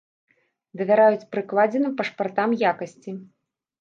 Давяраюць прыкладзеным пашпартам якасці.